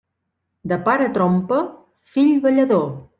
De pare trompa, fill ballador.